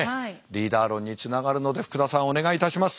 リーダー論につながるので福田さんお願いいたします。